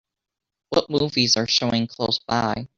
What movies are showing close by